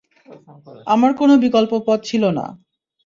আমার কোনও বিকল্প পথ ছিল না।